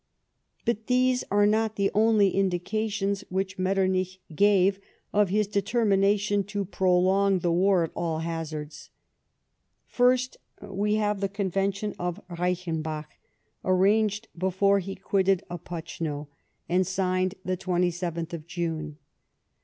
But these are not the only indications which Metternich gave of his determination to prolong the war at all hazards. First, we have the convention of Reichenbach. arranged before he quitted Opocno, and signed the 27 ih 112 LIFE OF PBINCE METTEENICH. June.